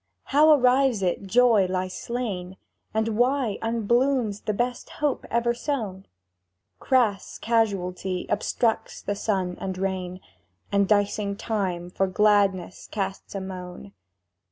How arrives it joy lies slain, And why unblooms the best hope ever sown? —Crass Casualty obstructs the sun and rain, And dicing Time for gladness casts a moan